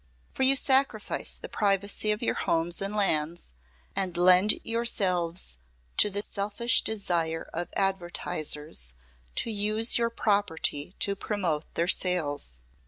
For you sacrifice the privacy of your homes and lands, and lend yourselves to the selfish desire of advertisers to use your property to promote their sales.